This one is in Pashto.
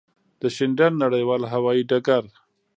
د شینډنډ نړېوال هوایی ډګر.